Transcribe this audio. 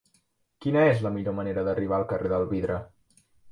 Quina és la millor manera d'arribar al carrer del Vidre?